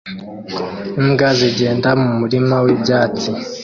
Imbwa zigenda mu murima wibyatsi